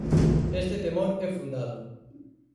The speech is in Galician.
Este temor é fundado.